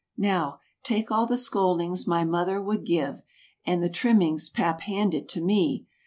Now, take all the scoldings my mother would give. And the trimmings pap handed to me.